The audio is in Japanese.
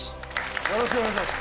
よろしくお願いします